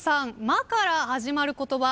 「ま」から始まる言葉